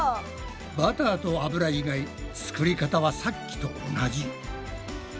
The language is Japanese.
バターと油以外作り方はさっきと同じ。